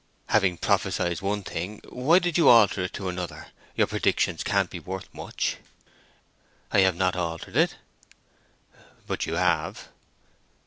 "Having prophesied one thing, why did you alter it to another? Your predictions can't be worth much." "I have not altered it." "But you have."